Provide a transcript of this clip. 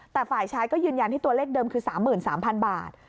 แต่ฝ่ายชายก็ยืนยันที่ตัวเลขเดิมคือสามหมื่นสามพันบาท